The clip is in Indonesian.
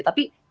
tapi itu juga